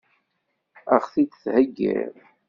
Ad ɣ-t-id-theggiḍ?